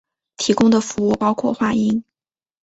提供的服务包括话音。